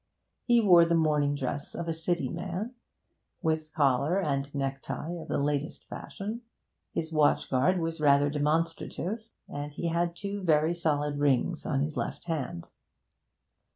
He wore the morning dress of a City man, with collar and necktie of the latest fashion; his watchguard was rather demonstrative, and he had two very solid rings on his left hand.